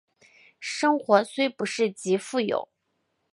生活虽不是极富有